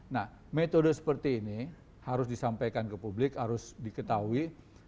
nah metode seperti ini harus disampaikan ke publik harus diketahui